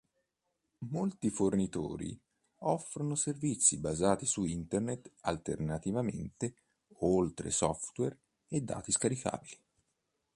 Molti fornitori offrono servizi basati su Internet alternativamente o oltre software e dati scaricabili.